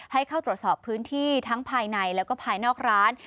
ให้เข้าตรวจสอบพื้นที่ทั้งภายในแล้วก็ภายนอกร้าน